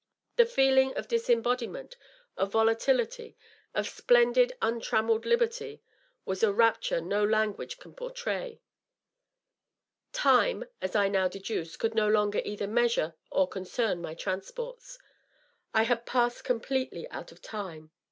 The feeling of disembodiment, of volatility, of splendid, untrammelled liberty, was a rapture no language can portray. Time, as I now deduce, could no longer either measure or concern my traps^wrts, I had passed completely out of time.